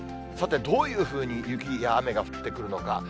さて、どういうふうに雪が雨が降ってくるのか。